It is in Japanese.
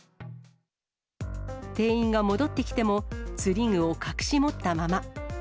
店員が戻ってきても釣り具を隠し持ったまま。